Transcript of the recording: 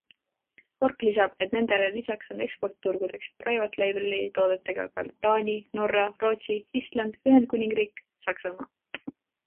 Kork lisab, et nendele lisaks on eksportturgudeks private label'i toodetega ka Taani, Norra, Rootsi, Island, Ühendkuningriik, Saksamaa.